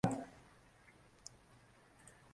Hasa anajulikana kwa riwaya zake, kwa mfano.